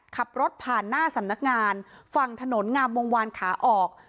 ขับรถผ่านหน้าสำนักงานฝั่งถนนงามวงวานขาออก